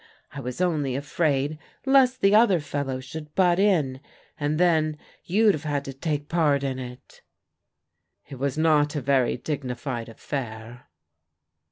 I was only afraid lest the other fellow should butt in, and then you'd have had to take part in it." *' It was not a very dignified affair.'